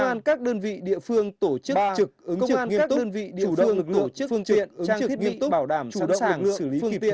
công an các đơn vị địa phương tổ chức trực ứng trực nghiêm túc chủ động lực lượng phương tiện trang thiết bị bảo đảm sẵn sàng xử lý phương tiện